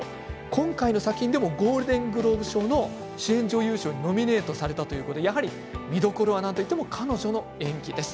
今回の作品でもゴールデングローブ賞の主演女優賞にノミネートされたということでやはり見どころはなんといっても彼女の演技です。